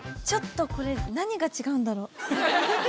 ちょっとこれ、何が違うんだろう。